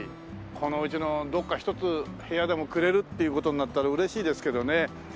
このうちのどこか一つ部屋でもくれるっていう事になったら嬉しいですけどね。